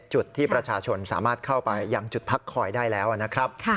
จุดที่ประชาชนสามารถเข้าไปยังจุดพักคอยได้แล้วนะครับ